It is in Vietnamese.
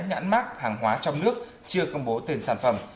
nhãn mát hàng hóa trong nước chưa công bố tên sản phẩm